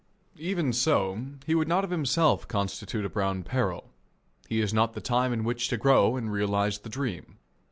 Even so, he would not of himself constitute a Brown Peril. He has not the time in which to grow and realize the dream.